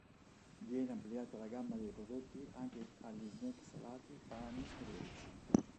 Viene ampliata la gamma dei prodotti anche agli snack salati, pani e dolci.